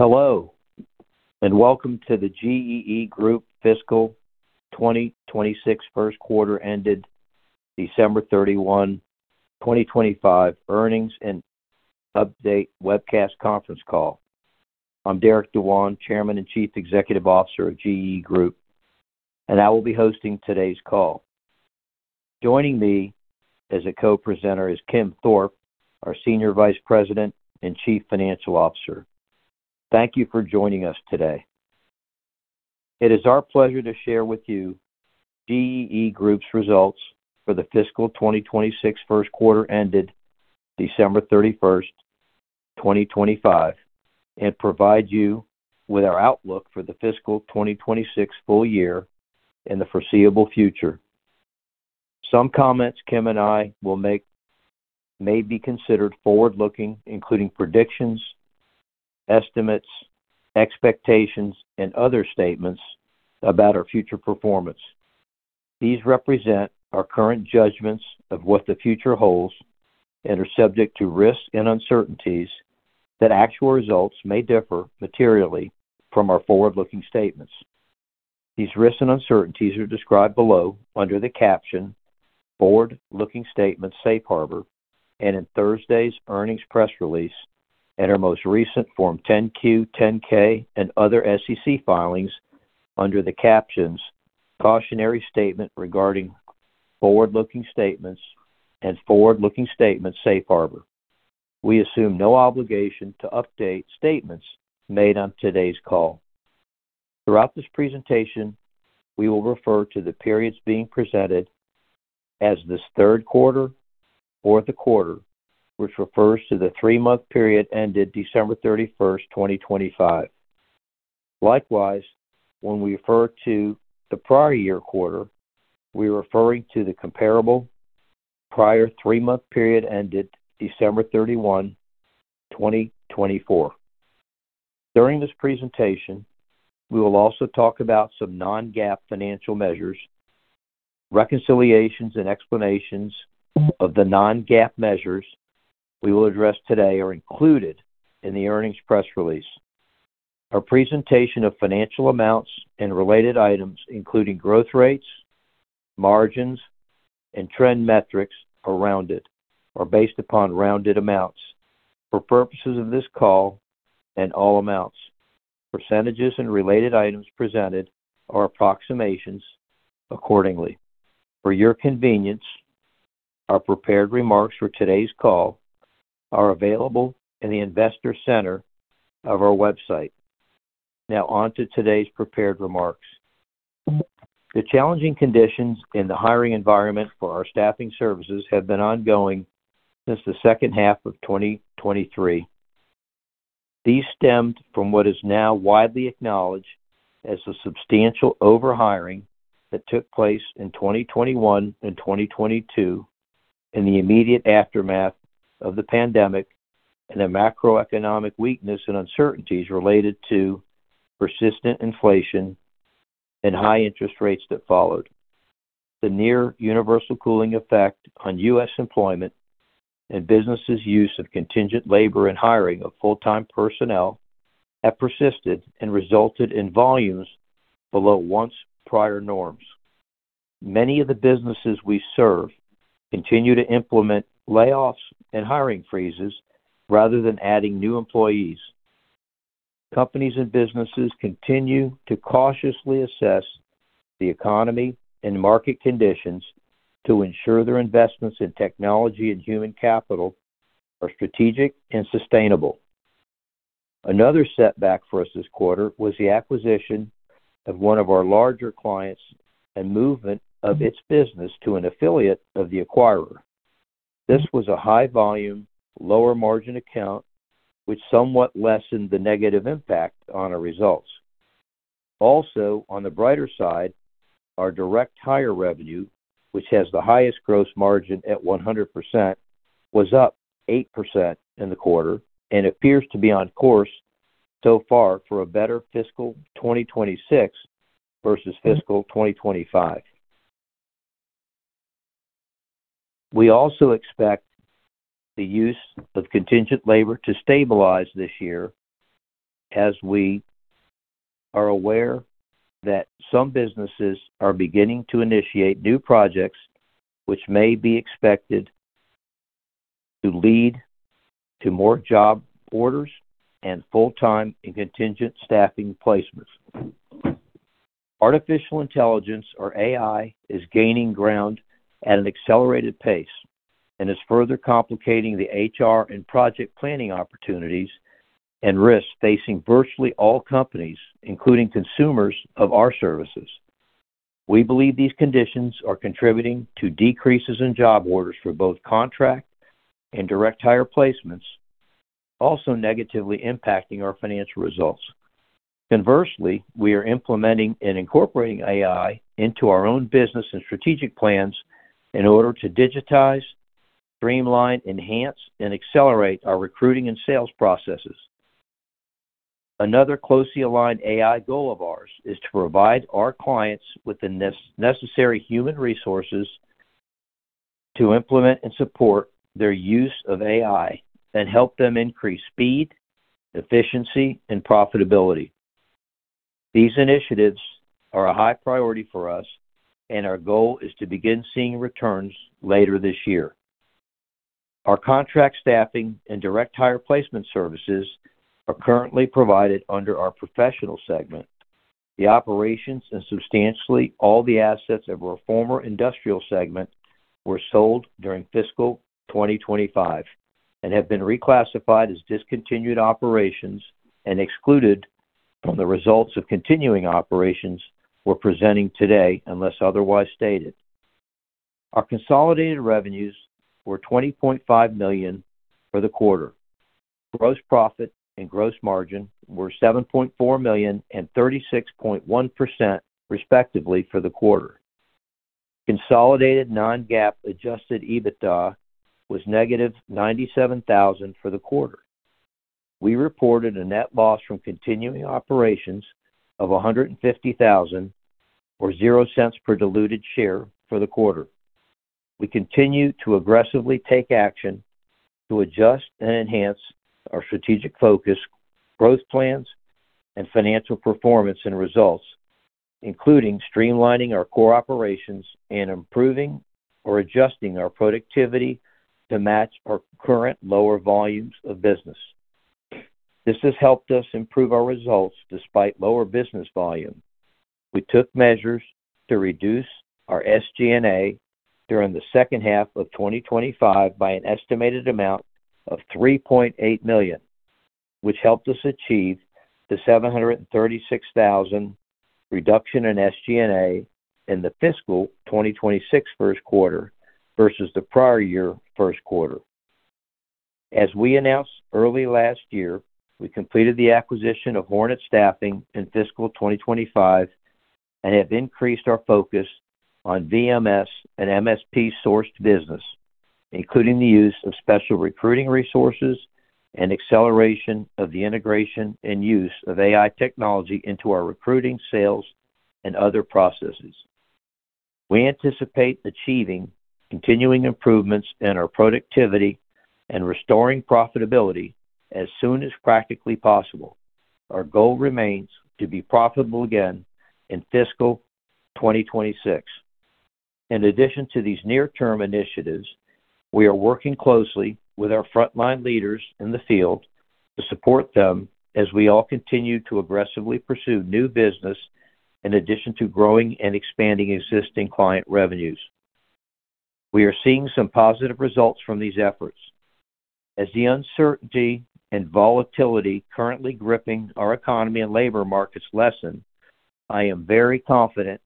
Hello, and welcome to the GEE Group Fiscal 2026 first quarter ended December 31, 2025, earnings and update webcast conference call. I'm Derek Dewan, Chairman and Chief Executive Officer of GEE Group, and I will be hosting today's call. Joining me as a co-presenter is Kim Thorpe, our Senior Vice President and Chief Financial Officer. Thank you for joining us today. It is our pleasure to share with you GEE Group's results for the fiscal 2026 first quarter ended December 31st, 2025, and provide you with our outlook for the fiscal 2026 full year in the foreseeable future. Some comments Kim and I will make may be considered forward-looking, including predictions, estimates, expectations, and other statements about our future performance. These represent our current judgments of what the future holds and are subject to risks and uncertainties that actual results may differ materially from our forward-looking statements. These risks and uncertainties are described below under the caption "Forward-Looking Statements Safe Harbor," and in Thursday's earnings press release and our most recent Form 10-Q, 10-K and other SEC filings under the captions, "Cautionary Statement regarding Forward-Looking Statements" and "Forward-Looking Statements Safe Harbor." We assume no obligation to update statements made on today's call. Throughout this presentation, we will refer to the periods being presented as this third quarter or the quarter, which refers to the three-month period ended December 31st, 2025. Likewise, when we refer to the prior year quarter, we're referring to the comparable prior three-month period ended December 31st, 2024. During this presentation, we will also talk about some non-GAAP financial measures. Reconciliations and explanations of the non-GAAP measures we will address today are included in the earnings press release. Our presentation of financial amounts and related items, including growth rates, margins, and trend metrics, are rounded or based upon rounded amounts. For purposes of this call and all amounts, percentages and related items presented are approximations accordingly. For your convenience, our prepared remarks for today's call are available in the Investor Center of our website. Now on to today's prepared remarks. The challenging conditions in the hiring environment for our staffing services have been ongoing since the second half of 2023. These stemmed from what is now widely acknowledged as a substantial over-hiring that took place in 2021 and 2022, in the immediate aftermath of the pandemic, and a macroeconomic weakness and uncertainties related to persistent inflation and high interest rates that followed. The near universal cooling effect on U.S. employment and businesses' use of contingent labor and hiring of full-time personnel have persisted and resulted in volumes below once prior norms. Many of the businesses we serve continue to implement layoffs and hiring freezes rather than adding new employees. Companies and businesses continue to cautiously assess the economy and market conditions to ensure their investments in technology and human capital are strategic and sustainable. Another setback for us this quarter was the acquisition of one of our larger clients and movement of its business to an affiliate of the acquirer. This was a high-volume, lower-margin account, which somewhat lessened the negative impact on our results. Also, on the brighter side, our direct hire revenue, which has the highest gross margin at 100%, was up 8% in the quarter and appears to be on course so far for a better fiscal 2026 versus fiscal 2025. We also expect the use of contingent labor to stabilize this year, as we are aware that some businesses are beginning to initiate new projects, which may be expected to lead to more job orders and full-time and contingent staffing placements. Artificial intelligence, or AI, is gaining ground at an accelerated pace and is further complicating the HR and project planning opportunities and risks facing virtually all companies, including consumers of our services. We believe these conditions are contributing to decreases in job orders for both contract and direct hire placements, also negatively impacting our financial results. Conversely, we are implementing and incorporating AI into our own business and strategic plans in order to digitize, streamline, enhance, and accelerate our recruiting and sales processes. Another closely aligned AI goal of ours is to provide our clients with the necessary human resources to implement and support their use of AI and help them increase speed, efficiency, and profitability. These initiatives are a high priority for us, and our goal is to begin seeing returns later this year. Our contract staffing and direct hire placement services are currently provided under our professional segment. The operations and substantially all the assets of our former industrial segment were sold during fiscal 2025 and have been reclassified as discontinued operations and excluded from the results of continuing operations we're presenting today, unless otherwise stated. Our consolidated revenues were $20.5 million for the quarter. Gross profit and gross margin were $7.4 million and 36.1%, respectively, for the quarter. Consolidated non-GAAP adjusted EBITDA was -$97,000 for the quarter. We reported a net loss from continuing operations of $150,000 or $0.00 per diluted share for the quarter. We continue to aggressively take action to adjust and enhance our strategic focus, growth plans, and financial performance and results, including streamlining our core operations and improving or adjusting our productivity to match our current lower volumes of business. This has helped us improve our results despite lower business volume. We took measures to reduce our SG&A during the second half of 2025 by an estimated amount of $3.8 million, which helped us achieve the $736,000 reduction in SG&A in the fiscal 2026 first quarter versus the prior year first quarter. As we announced early last year, we completed the acquisition of Hornet Staffing in fiscal 2025 and have increased our focus on VMS and MSP sourced business, including the use of special recruiting resources and acceleration of the integration and use of AI technology into our recruiting, sales, and other processes. We anticipate achieving continuing improvements in our productivity and restoring profitability as soon as practically possible. Our goal remains to be profitable again in fiscal 2026. In addition to these near-term initiatives, we are working closely with our frontline leaders in the field to support them as we all continue to aggressively pursue new business, in addition to growing and expanding existing client revenues. We are seeing some positive results from these efforts. As the uncertainty and volatility currently gripping our economy and labor markets lessen, I am very confident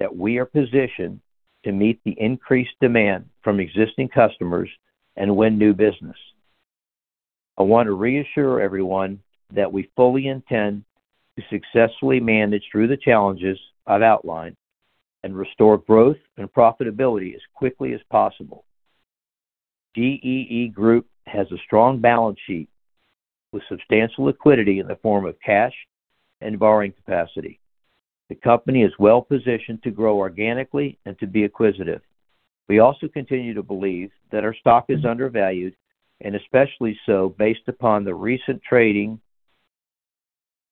that we are positioned to meet the increased demand from existing customers and win new business. I want to reassure everyone that we fully intend to successfully manage through the challenges I've outlined and restore growth and profitability as quickly as possible. GEE Group has a strong balance sheet with substantial liquidity in the form of cash and borrowing capacity. The company is well-positioned to grow organically and to be acquisitive. We also continue to believe that our stock is undervalued, and especially so based upon the recent trading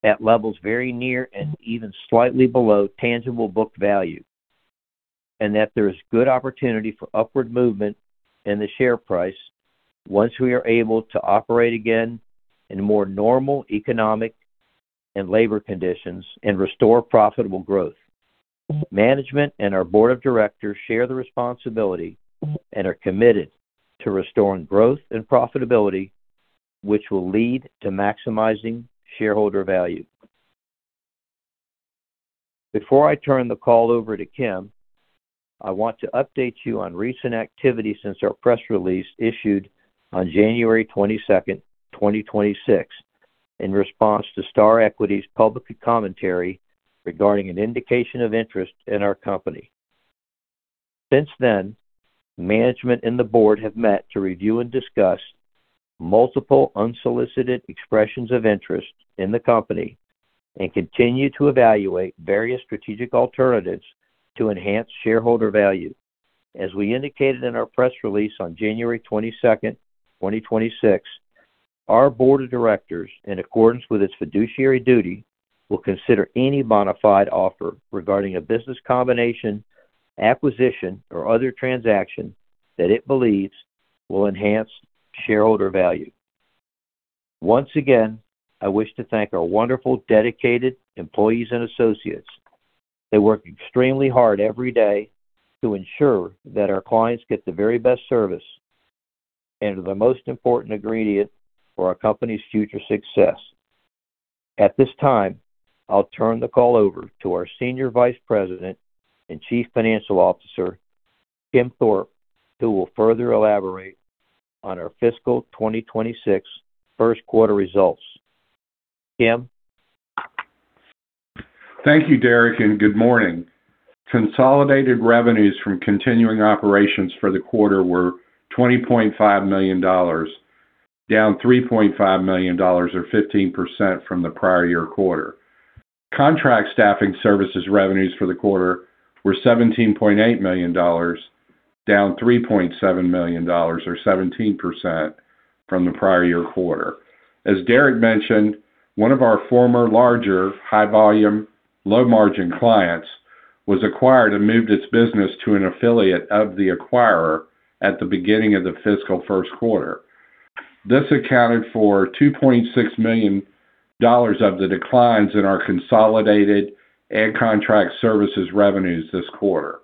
at levels very near and even slightly below tangible book value, and that there is good opportunity for upward movement in the share price once we are able to operate again in more normal economic and labor conditions and restore profitable growth. Management and our board of directors share the responsibility and are committed to restoring growth and profitability, which will lead to maximizing shareholder value. Before I turn the call over to Kim, I want to update you on recent activity since our press release issued on January 22nd, 2026, in response to Star Equity's public commentary regarding an indication of interest in our company. Since then, management and the board have met to review and discuss multiple unsolicited expressions of interest in the company and continue to evaluate various strategic alternatives to enhance shareholder value. As we indicated in our press release on January 22nd, 2026, our board of directors, in accordance with its fiduciary duty, will consider any bona fide offer regarding a business combination, acquisition, or other transaction that it believes will enhance shareholder value. Once again, I wish to thank our wonderful, dedicated employees and associates. They work extremely hard every day to ensure that our clients get the very best service and are the most important ingredient for our company's future success. At this time, I'll turn the call over to our Senior Vice President and Chief Financial Officer, Kim Thorpe, who will further elaborate on our fiscal 2026 first quarter results. Kim? Thank you, Derek, and good morning. Consolidated revenues from continuing operations for the quarter were $20.5 million, down $3.5 million or 15% from the prior year quarter. Contract staffing services revenues for the quarter were $17.8 million, down $3.7 million or 17% from the prior year quarter. As Derek mentioned, one of our former larger, high-volume, low-margin clients was acquired and moved its business to an affiliate of the acquirer at the beginning of the fiscal first quarter. This accounted for $2.6 million of the declines in our consolidated and contract services revenues this quarter.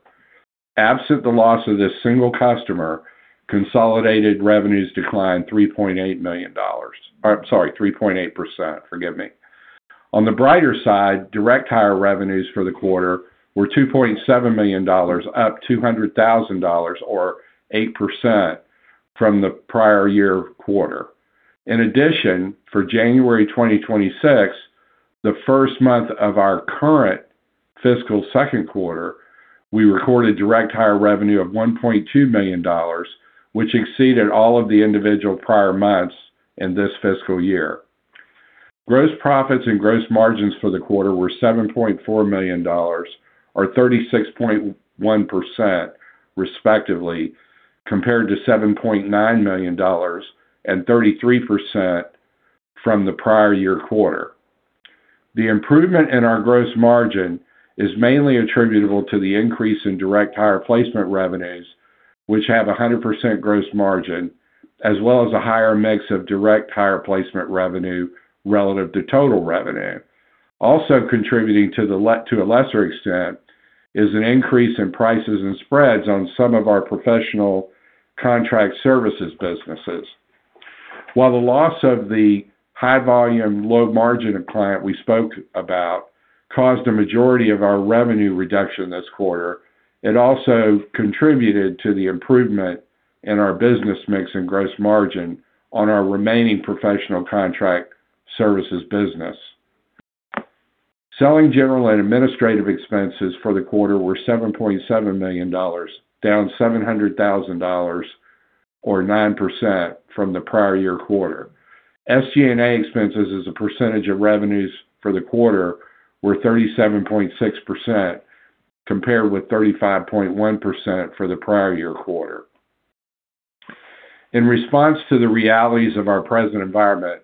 Absent the loss of this single customer, consolidated revenues declined three point eight million dollars. Sorry, 3.8%, forgive me. On the brighter side, direct hire revenues for the quarter were $2.7 million, up $200,000 or 8% from the prior-year quarter. In addition, for January 2026, the first month of our current fiscal second quarter, we recorded direct hire revenue of $1.2 million, which exceeded all of the individual prior months in this fiscal year. Gross profits and gross margins for the quarter were $7.4 million, or 36.1%, respectively, compared to $7.9 million and 33% from the prior-year quarter. The improvement in our gross margin is mainly attributable to the increase in direct hire placement revenues, which have 100% gross margin, as well as a higher mix of direct hire placement revenue relative to total revenue. Also contributing to a lesser extent is an increase in prices and spreads on some of our professional contract services businesses. While the loss of the high-volume, low-margin client we spoke about caused a majority of our revenue reduction this quarter, it also contributed to the improvement in our business mix and gross margin on our remaining professional contract services business. Selling, general and administrative expenses for the quarter were $7.7 million, down $700,000, or 9% from the prior year quarter. SG&A expenses as a percentage of revenues for the quarter were 37.6%, compared with 35.1% for the prior year quarter. In response to the realities of our present environment,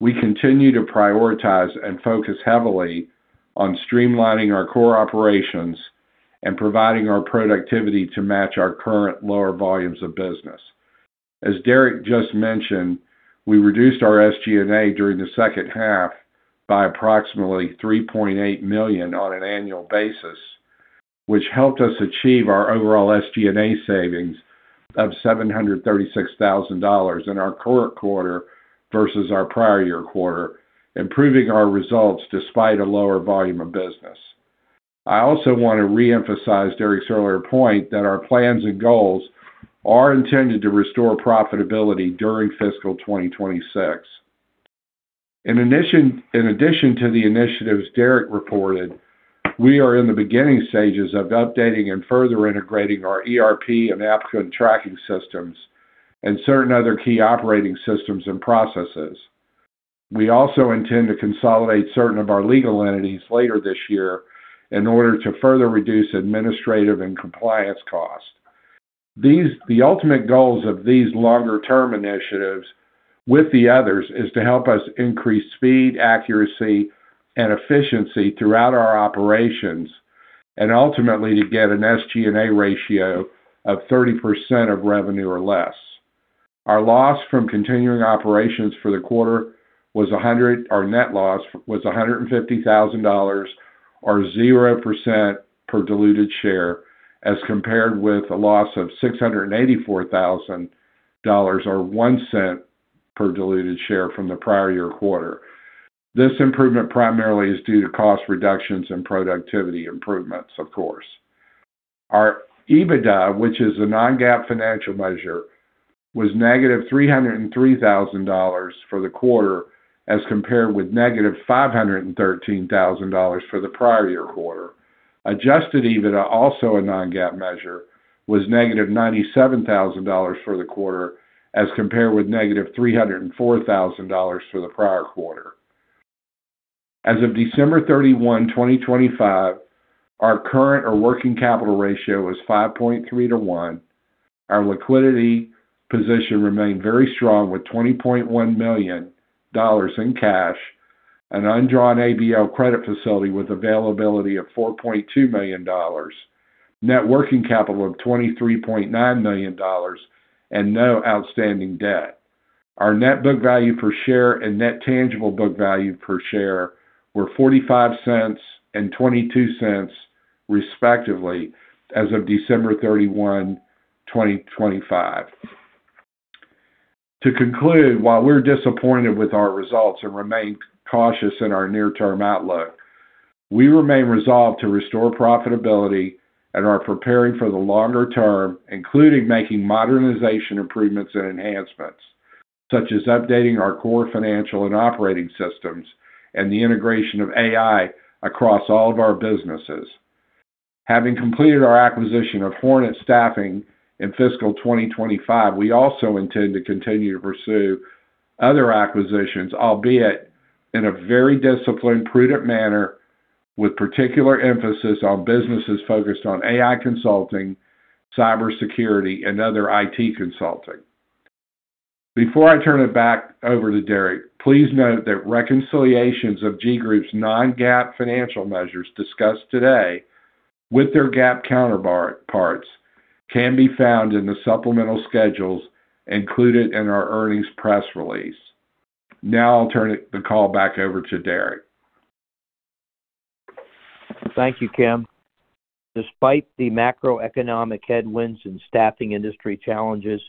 we continue to prioritize and focus heavily on streamlining our core operations and providing our productivity to match our current lower volumes of business. As Derek just mentioned, we reduced our SG&A during the second half by approximately $3.8 million on an annual basis, which helped us achieve our overall SG&A savings of $736,000 in our current quarter versus our prior year quarter, improving our results despite a lower volume of business. I also want to re-emphasize Derek's earlier point, that our plans and goals are intended to restore profitability during fiscal 2026. In addition, in addition to the initiatives Derek reported, we are in the beginning stages of updating and further integrating our ERP and applicant tracking systems and certain other key operating systems and processes. We also intend to consolidate certain of our legal entities later this year in order to further reduce administrative and compliance costs. The ultimate goals of these longer-term initiatives, with the others, is to help us increase speed, accuracy, and efficiency throughout our operations, and ultimately to get an SG&A ratio of 30% of revenue or less. Our loss from continuing operations for the quarter was a hundred. Our net loss was $150,000 or 0% per diluted share, as compared with a loss of $684,000, or $0.01 per diluted share from the prior year quarter. This improvement primarily is due to cost reductions and productivity improvements, of course. Our EBITDA, which is a non-GAAP financial measure, was -$303,000 for the quarter, as compared with -$513,000 for the prior year quarter. Adjusted EBITDA, also a non-GAAP measure, was -$97,000 for the quarter, as compared with -$304,000 for the prior quarter. As of December 31, 2025, our current or working capital ratio was 5.3 to 1. Our liquidity position remained very strong, with $20.1 million in cash, an undrawn ABL Credit Facility with availability of $4.2 million, net working capital of $23.9 million, and no outstanding debt. Our net book value per share and net tangible book value per share were $0.45 and $0.22, respectively, as of December 31, 2025. To conclude, while we're disappointed with our results and remain cautious in our near-term outlook, we remain resolved to restore profitability and are preparing for the longer term, including making modernization improvements and enhancements, such as updating our core financial and operating systems and the integration of AI across all of our businesses. Having completed our acquisition of Hornet Staffing in fiscal 2025, we also intend to continue to pursue other acquisitions, albeit in a very disciplined, prudent manner, with particular emphasis on businesses focused on AI consulting, cybersecurity, and other IT consulting. Before I turn it back over to Derek, please note that reconciliations of GEE Group's non-GAAP financial measures discussed today with their GAAP counterparts can be found in the supplemental schedules included in our earnings press release. Now I'll turn the call back over to Derek. Thank you, Kim. Despite the macroeconomic headwinds and staffing industry challenges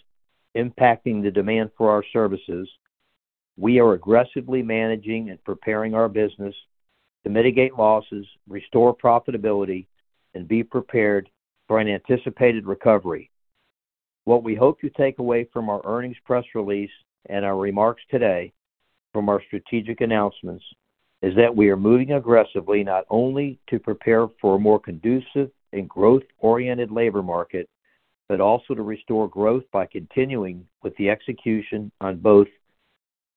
impacting the demand for our services, we are aggressively managing and preparing our business to mitigate losses, restore profitability, and be prepared for an anticipated recovery. What we hope you take away from our earnings press release and our remarks today from our strategic announcements, is that we are moving aggressively not only to prepare for a more conducive and growth-oriented labor market, but also to restore growth by continuing with the execution on both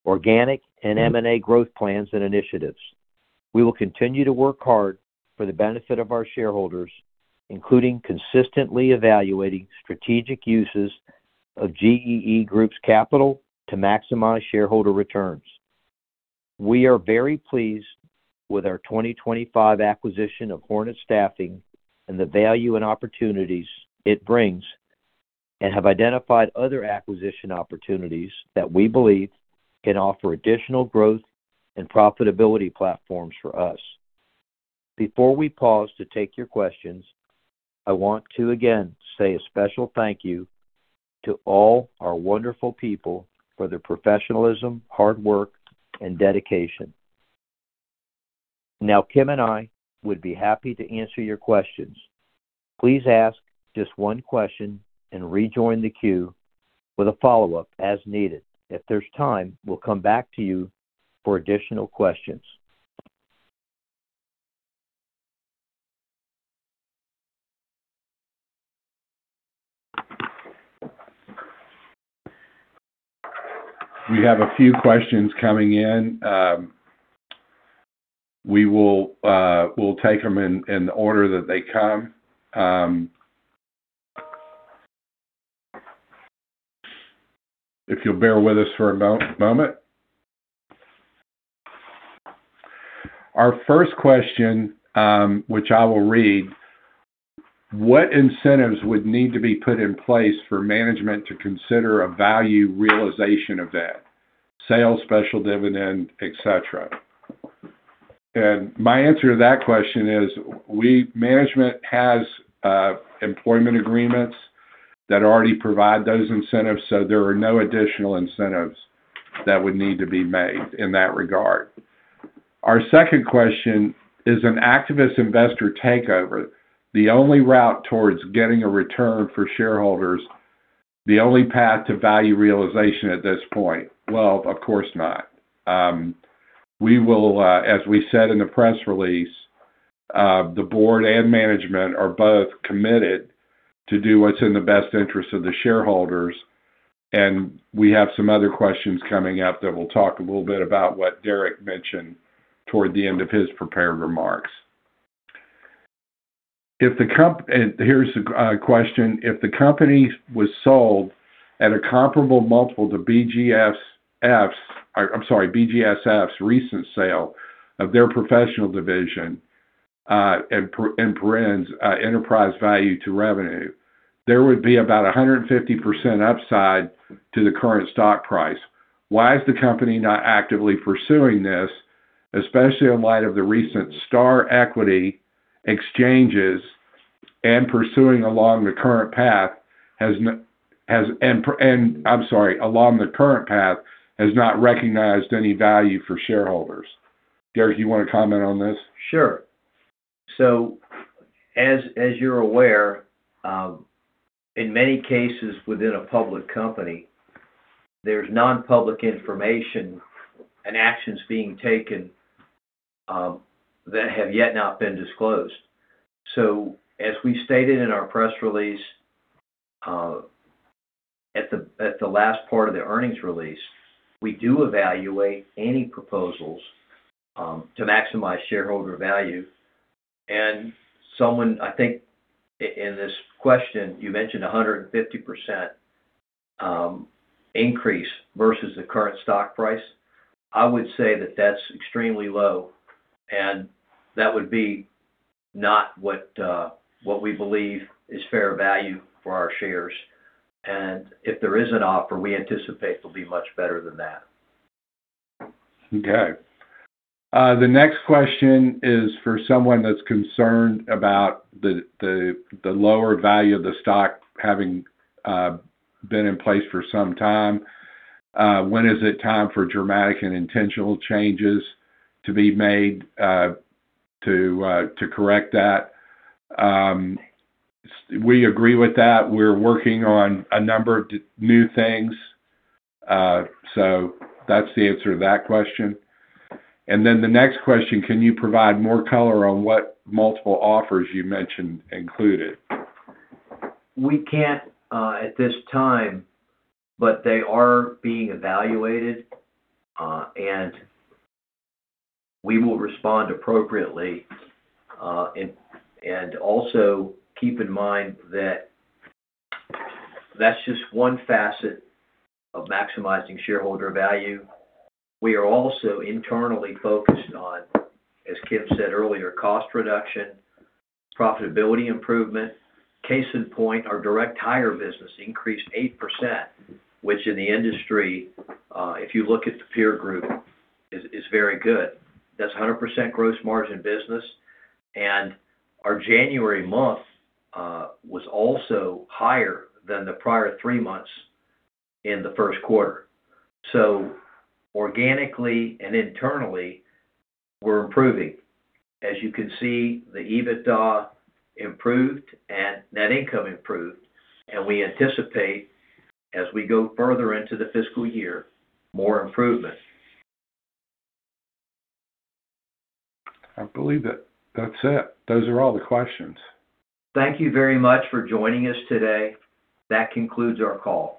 organic and M&A growth plans and initiatives. We will continue to work hard for the benefit of our shareholders, including consistently evaluating strategic uses of GEE Group's capital to maximize shareholder returns. We are very pleased with our 2025 acquisition of Hornet Staffing and the value and opportunities it brings, and have identified other acquisition opportunities that we believe can offer additional growth and profitability platforms for us. Before we pause to take your questions, I want to again say a special thank you to all our wonderful people for their professionalism, hard work, and dedication. Now, Kim and I would be happy to answer your questions. Please ask just one question and rejoin the queue with a follow-up as needed. If there's time, we'll come back to you for additional questions. We have a few questions coming in. We will, we'll take them in the order that they come. If you'll bear with us for a moment. Our first question, which I will read: What incentives would need to be put in place for management to consider a value realization event, sale, special dividend, etc.? And my answer to that question is, Management has employment agreements that already provide those incentives, so there are no additional incentives that would need to be made in that regard. Our second question: Is an activist investor takeover, the only route towards getting a return for shareholders, the only path to value realization at this point? Well, of course not. We will, as we said in the press release, the board and management are both committed to do what's in the best interest of the shareholders, and we have some other questions coming up that will talk a little bit about what Derek mentioned toward the end of his prepared remarks. Here's a question: If the company was sold at a comparable multiple to BGSF's, I'm sorry, BGSF's recent sale of their professional division, and peers' enterprise value to revenue, there would be about 150% upside to the current stock price. Why is the company not actively pursuing this, especially in light of the recent Star Equity exchanges and pursuing along the current path, has. And, I'm sorry, along the current path, has not recognized any value for shareholders. Derek, do you want to comment on this? Sure. So as, as you're aware, in many cases within a public company, there's non-public information and actions being taken, that have yet not been disclosed. So as we stated in our press release, at the, at the last part of the earnings release, we do evaluate any proposals, to maximize shareholder value. And someone, I think in, in this question, you mentioned 150% increase versus the current stock price. I would say that that's extremely low, and that would be not what, what we believe is fair value for our shares. And if there is an offer, we anticipate it'll be much better than that. Okay. The next question is for someone that's concerned about the lower value of the stock having been in place for some time. When is it time for dramatic and intentional changes to be made to correct that? We agree with that. We're working on a number of new things. So that's the answer to that question. And then the next question, can you provide more color on what multiple offers you mentioned included? We can't at this time, but they are being evaluated, and we will respond appropriately. Also keep in mind that that's just one facet of maximizing shareholder value. We are also internally focused on, as Kim said earlier, cost reduction, profitability improvement. Case in point, our direct hire business increased 8%, which in the industry, if you look at the peer group, is very good. That's a 100% gross margin business, and our January month was also higher than the prior three months in the first quarter. Organically and internally, we're improving. As you can see, the EBITDA improved and net income improved, and we anticipate, as we go further into the fiscal year, more improvement. I believe that's it. Those are all the questions. Thank you very much for joining us today. That concludes our call.